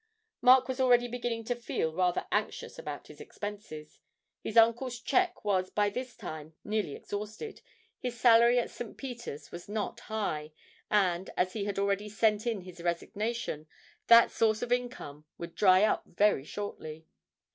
Mark was already beginning to feel rather anxious about his expenses. His uncle's cheque was by this time nearly exhausted, his salary at St. Peter's was not high and, as he had already sent in his resignation, that source of income would dry up very shortly.